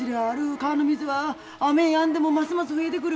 川の水は雨やんでもますます増えてくる。